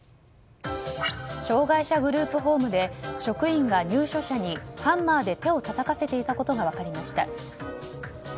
障害者グループホームで職員が入所者にハンマーで手をたたかせていたことが分かりました。